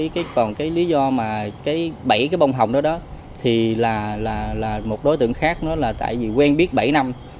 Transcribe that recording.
còn lý do bảy bông hoa hồng đó là một đối tượng khác là tại vì quen biết bảy năm